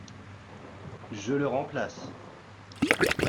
Je le remplace.